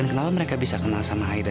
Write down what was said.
dan kenapa mereka bisa kenal dengan aida